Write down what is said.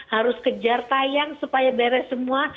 harus kejar tayang supaya beres semua